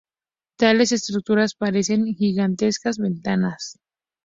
Tales estructuras parecen gigantescas ventanas.